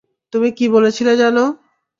তুমি কী বলছিলে যেন?